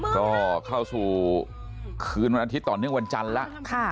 ก็เข้าสู่คืนวันอาทิตย์ต่อเนื่องวันจันทร์แล้ว